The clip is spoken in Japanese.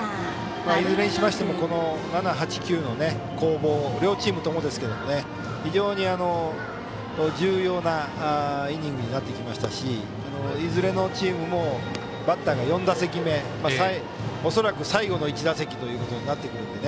いずれにしても７、８、９の攻防、両チームとも重要なイニングになってきましたしいずれのチームもバッターが４打席目恐らく最後の１打席となってくるので。